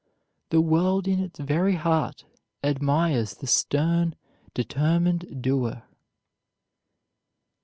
The world in its very heart admires the stern, determined doer.